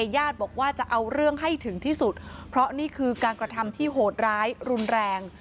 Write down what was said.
ญาติบอกว่าจะเอาเรื่องให้ถึงที่สุดเพราะนี่คือการกระทำที่โหดร้ายรุนแรง